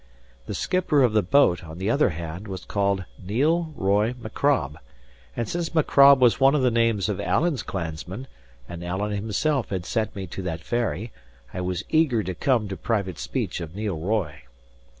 The skipper of the boat, on the other hand, was called Neil Roy Macrob; and since Macrob was one of the names of Alan's clansmen, and Alan himself had sent me to that ferry, I was eager to come to private speech of Neil Roy.